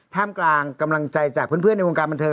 ท่ามกลางกำลังใจจากเพื่อนในวงการบันเทิ